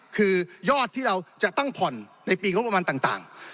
คือยอดที่เราจะต้องผ่อนในปีงบประมาณต่าง